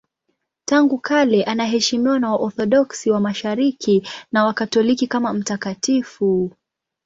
Tangu kale anaheshimiwa na Waorthodoksi wa Mashariki na Wakatoliki kama mtakatifu.